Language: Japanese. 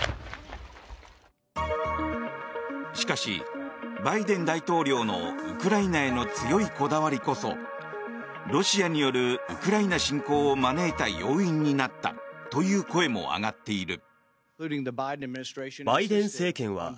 しかし、バイデン大統領のウクライナへの強いこだわりこそロシアによるウクライナ侵攻を招いた要因になったという声も上がっている。